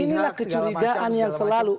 inilah kecurigaan yang selalu